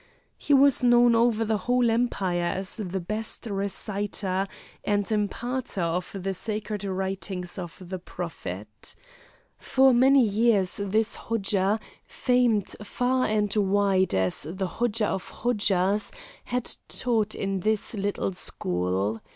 He was known over the whole Empire as the best reciter and imparter of the Sacred Writings of the Prophet. For many years this Hodja, famed far and wide as the Hodja of Hodjas, had taught in this little school.